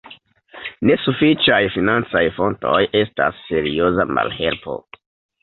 Nesufiĉaj financaj fontoj estas serioza malhelpo.